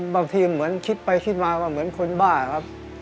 บางทีเหมือนคิดไปคิดมาว่าเหมือนคนบ้าครับ